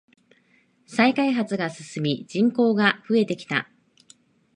再開発が進み人口が増えてきた。